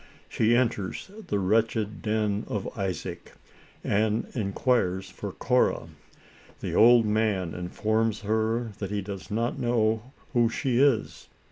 She enters the wretched den of Isaac, and inquires for Cora. The old man informs her that he does not know who she is.